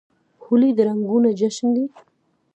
هولي د رنګونو جشن دی.